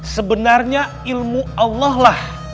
sebenarnya ilmu allah lah